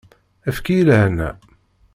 Efk-iyi lehna!